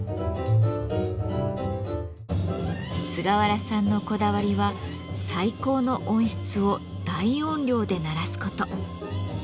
菅原さんのこだわりは最高の音質を大音量で鳴らすこと。